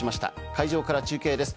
会場から中継です。